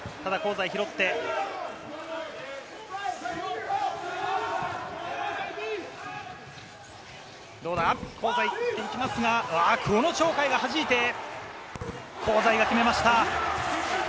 香西、打っていきますが、鳥海がはじいて、香西が決めました。